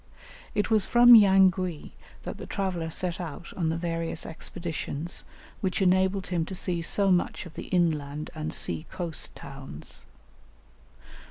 It was from Yangui that the traveller set out on the various expeditions which enabled him to see so much of the inland and sea coast towns.